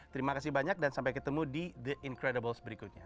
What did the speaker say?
terima kasih banyak dan sampai ketemu di the incredibles berikutnya